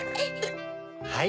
はい。